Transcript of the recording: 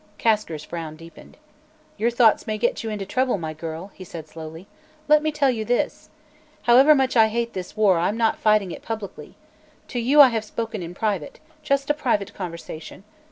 Kasker's frown deepened. "Your thoughts may get you into trouble, my girl," he said slowly. "Let me tell you this: However much I hate this war, I'm not fighting it publicly. To you I have spoken in private just a private conversation.